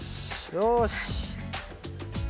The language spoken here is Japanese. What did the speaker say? よし。